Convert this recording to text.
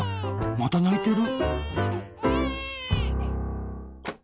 またないてる。